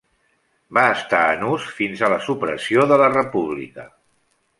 Va estar en ús fins a la supressió de la República.